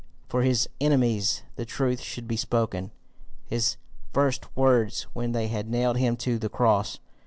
For his enemies the truth should be spoken, his first words when they had nailed him to the cross.